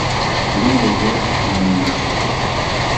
بۈگۈن كەيپىيات يامان ناچارغۇ.